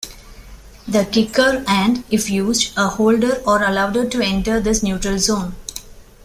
The kicker and, if used, a holder are allowed to enter this neutral zone.